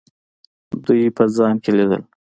دوی په ځان کې لیدل.